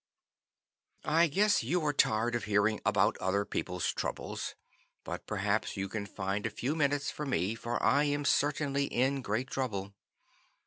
"I guess you are tired of hearing about other people's troubles, but perhaps you can find a few minutes for me, for I am certainly in great trouble.